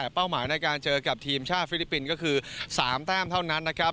เป้าหมายในการเจอกับทีมชาติฟิลิปปินส์ก็คือ๓แต้มเท่านั้นนะครับ